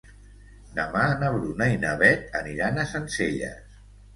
Demà na Bruna i na Beth aniran a Sencelles.